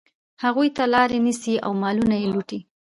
هغوی ته لاري نیسي او مالونه یې لوټي.